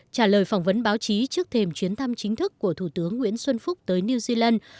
trả lời phỏng vấn báo chí trước thềm chuyến thăm chính thức của thủ tướng nguyễn xuân phúc tới new zealand